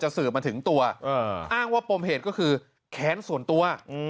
สืบมาถึงตัวอ้างว่าปมเหตุก็คือแค้นส่วนตัว